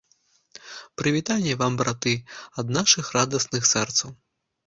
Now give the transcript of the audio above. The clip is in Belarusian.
Прывітанне вам, браты, ад нашых радасных сэрцаў.